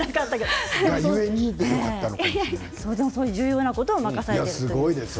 そういう重要なことも任されています。